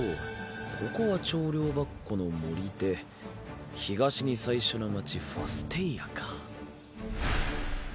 ここは跳梁跋扈の森で東に最初の街ファステイアか。